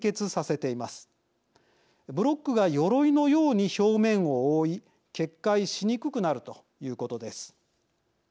ブロックがよろいのように表面を覆い決壊しにくくなるということです。